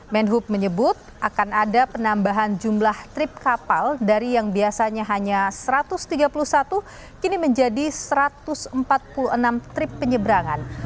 menhub menyebut akan ada penambahan jumlah trip kapal dari yang biasanya hanya satu ratus tiga puluh satu kini menjadi satu ratus empat puluh enam trip penyeberangan